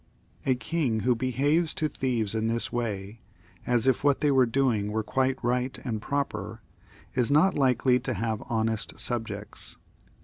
A king who behaves to thieves in this way, as if what they were doing were quite right and proper, is not likely to have honest subjects.